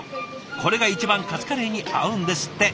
これが一番カツカレーに合うんですって。